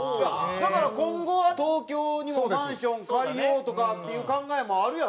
だから今後は東京にもマンション借りようとかっていう考えもあるやろ？